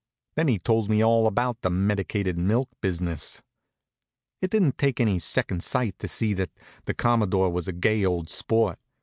Then he told me all about the medicated milk business. It didn't take any second sight to see that the Commodore was a gay old sport.